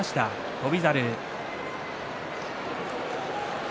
翔猿。